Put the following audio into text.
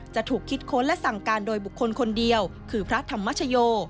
จะถูกคิดค้นและสั่งการโดยบุคคลคนเดียวคือพระธรรมชโย